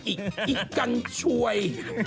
อีกกันชวย